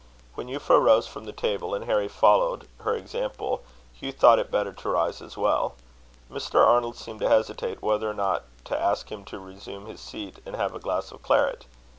When Euphra rose from the table, and Harry followed her example, Hugh thought it better to rise as well. Mr. Arnold seemed to hesitate whether or not to ask him to resume his seat and have a glass of claret.